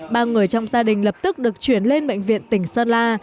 ba người trong gia đình lập tức được chuyển lên bệnh viện tỉnh sơn la